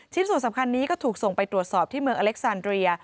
ส่วนสำคัญนี้ก็ถูกส่งไปตรวจสอบที่เมืองอเล็กซานเรีย